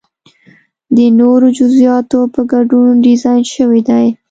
د نورو جزئیاتو په ګډون ډیزاین شوی دی.